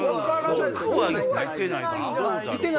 億は行ってないかな。